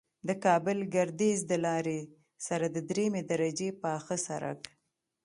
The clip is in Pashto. د کابل گردیز د لارې سره د دریمې درجې پاخه سرک